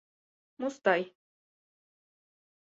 Мустай.